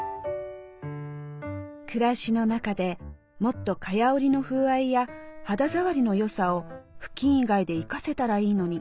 暮らしの中でもっと蚊帳織の風合いや肌触りのよさを布巾以外で生かせたらいいのに。